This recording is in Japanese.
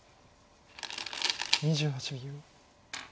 ２８秒。